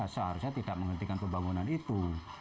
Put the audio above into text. seharusnya tidak menghentikan pembangunan itu